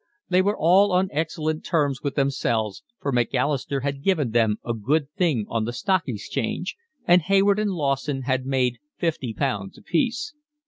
They were all on excellent terms with themselves, for Macalister had given them a good thing on the Stock Exchange, and Hayward and Lawson had made fifty pounds apiece.